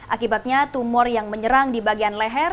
akibatnya tumor yang menyerang di bagian leher